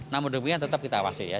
namun demikian tetap kita awasi ya